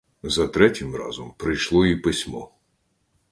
За третім разом прийшло і письмо.